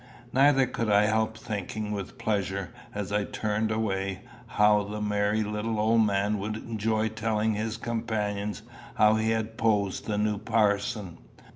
Neither could I help thinking with pleasure, as I turned away, how the merry little old man would enjoy telling his companions how he had posed the new parson.